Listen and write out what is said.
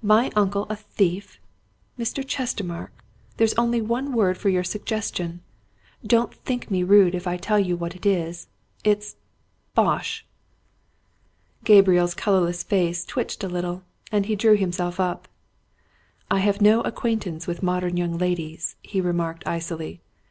My uncle a thief! Mr. Chestermarke! there's only one word for your suggestion. Don't think me rude if I tell you what it is. It's bosh!" Gabriel's colourless face twitched a little, and he drew himself up. "I have no acquaintance with modern young ladies," he remarked icily.